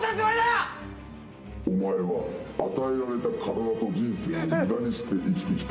お前は与えられた体と人生を無駄にして生きてきた。